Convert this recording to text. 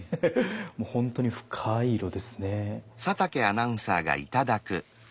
本当に深い色ですね。